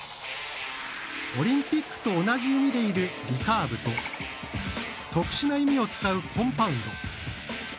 オリンピックと同じ弓で射るリカーブと特殊な弓を使うコンパウンド。